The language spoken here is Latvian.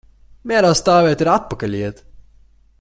Mierā stāvēt ir atpakaļ iet.